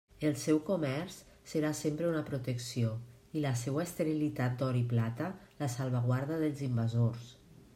El seu comerç serà sempre una protecció, i la seua esterilitat d'or i plata la salvaguarda dels invasors.